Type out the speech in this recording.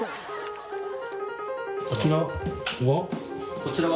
こちらは？